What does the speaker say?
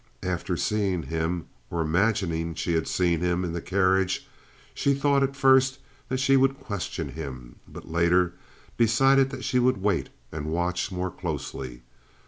After seeing him, or imagining she had seen him, in the carriage, she thought at first that she would question him, but later decided that she would wait and watch more closely.